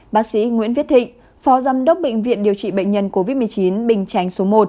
bác sĩ nguyễn viết thịnh phó giám đốc bệnh viện điều trị bệnh nhân covid một mươi chín bình chánh số một